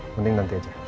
mending nanti aja